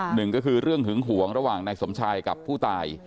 หนึ่งก็คือเรื่องหึงหวงระหว่างนายสมชายกับผู้ตาย